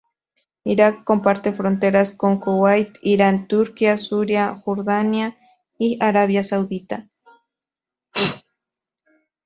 Irak comparte fronteras con Kuwait, Irán, Turquía, Siria, Jordania y Arabia Saudita.